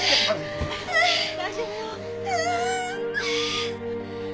大丈夫よ。